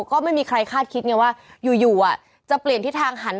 ก็ไม่มีใครคาดคิดไงว่าอยู่จะเปลี่ยนทิศทางหัน